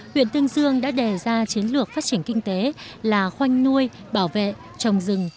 huyện tương dương đã đề ra chiến lược phát triển kinh tế là khoanh nuôi bảo vệ trồng rừng